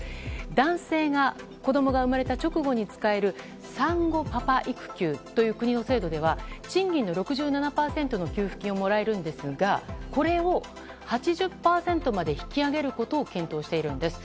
男性が子供が生まれた直後に使える産後パパ育休という国の制度では賃金の６７％の給付金をもらえるんですがこれを８０％まで引き上げることを検討しているんです。